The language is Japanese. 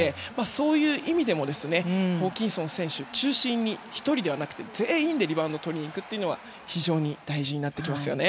そういう意味でもホーキンソン選手を中心に１人ではなくて全員でリバウンドをとりに行くというのが非常に大事になってきますよね。